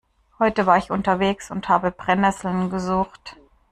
Heute war ich unterwegs und habe Brennesseln gesucht.